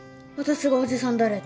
私が「おじさん誰？」